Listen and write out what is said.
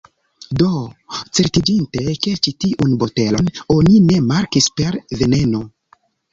Do, certiĝinte ke ĉi tiun botelon oni ne markis per 'veneno'